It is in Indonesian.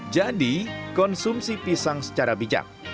jadi konsumsi pisang secara bijak